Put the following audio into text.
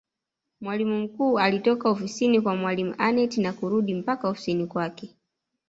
Mwalimu mkuu alitoka ofisini kwa mwalimu Aneth na kurudi mpaka ofisini kwake